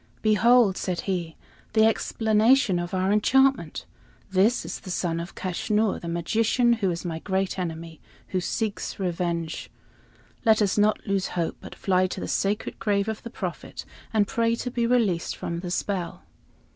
"Behold," said he, "the explanation of our enchantment! This is the son of Kaschnur, the magician, who is my great enemy, who seeks revenge. Let us not lose hope, but fly to the sacred grave of the Prophet and pray to be released from the spell."